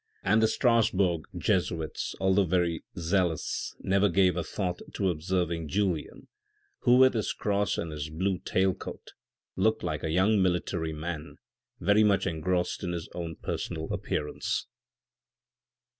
And the Strasbourg Jesuits, although very zealous, never gave a thought to observing Julien, who with his cross and his blue tail coat looked like a young military man, very much engrossed in his own personal appearance.